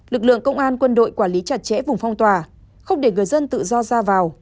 lực lượng công an quân đội quản lý chặt chẽ vùng phong tỏa không để người dân tự do ra vào